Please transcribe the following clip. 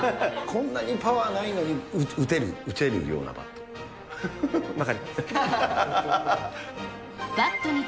こんなにパワーないのに打てる、打てるようなバットを。